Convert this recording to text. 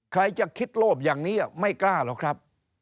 ใครจะคิดโลภอย่างนี้ไม่กล้าหรอกครับ